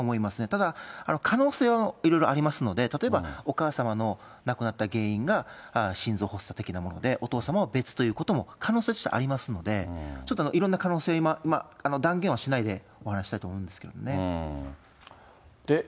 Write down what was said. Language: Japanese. ただ、可能性はいろいろありますので、例えばお母様の亡くなった原因が心臓発作的なもので、お父様は別ということも可能性としてはありますので、ちょっといろんな可能性、今、断言はしないでお話したいと思うんですけどね。